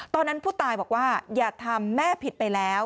ตอนนั้นผู้ตายบอกว่าอย่าทำแม่ผิดไปแล้ว